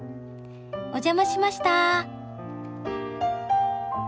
・お邪魔しました。